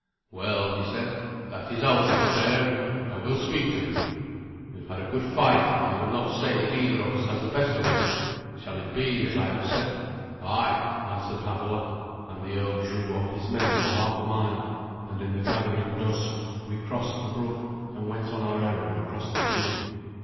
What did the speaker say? "Well," he said, "that is Alsi's affair, and I will speak to him. We have had a good fight, and I will not say that either of us has the best of it. Shall it be as I have said?" "Ay," answered Havelok; and the earl drew off his men for half a mile, and in the gathering dusk we crossed the brook, and went on our errand across the field.